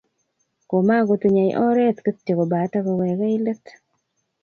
Komakotinyei oret kityo kobate kowekei let